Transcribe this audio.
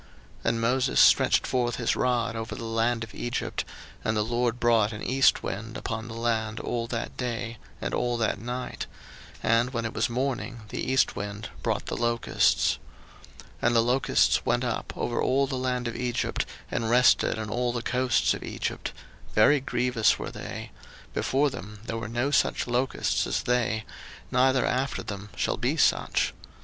02:010:013 And Moses stretched forth his rod over the land of Egypt, and the LORD brought an east wind upon the land all that day, and all that night; and when it was morning, the east wind brought the locusts. 02:010:014 And the locust went up over all the land of Egypt, and rested in all the coasts of Egypt: very grievous were they; before them there were no such locusts as they, neither after them shall be such.